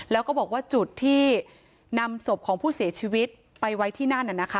แล้วก็บอกว่าจุดที่นำศพของผู้เสียชีวิตไปไว้ที่นั่นน่ะนะคะ